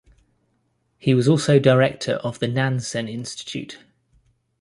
He was also director of the Nansen Institute.